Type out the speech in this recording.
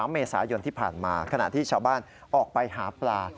เมษายนที่ผ่านมาขณะที่ชาวบ้านออกไปหาปลา